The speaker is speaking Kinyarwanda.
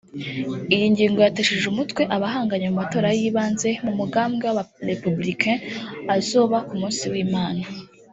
Iyo ngingo yatesheje umutwe abahanganye mu matora y’ibanze mu mugambwe w’abarepublicains azoba ku munsi w’Imana